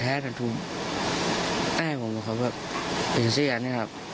มันมีวแท้จิตุในที่มันเขาแบบเป็นเสี้ยวนะครับ